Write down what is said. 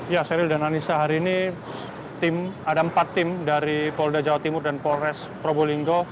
ya seril dan anissa hari ini ada empat tim dari polda jawa timur dan polres probolinggo